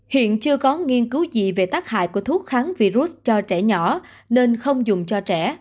hiện chưa có nghiên cứu gì về tác hại của thuốc kháng virus cho trẻ nhỏ nên không dùng cho trẻ